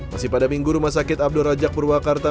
masih pada minggu rumah sakit abdur rajak purwakarta